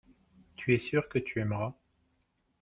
tu es sûr que tu aimeras.